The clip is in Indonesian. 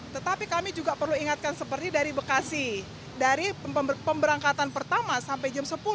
tetapi kami juga perlu ingatkan seperti dari bekasi dari pemberangkatan pertama sampai jam sepuluh